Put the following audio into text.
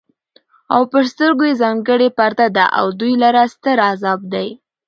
او پر سترگو ئې ځانگړې پرده ده او دوى لره ستر عذاب دی